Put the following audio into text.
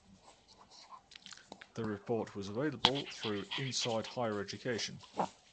The report was available through Inside Higher Education.